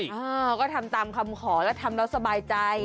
เออก็ทำตามคำขอแล้วทำแล้วสบายใจ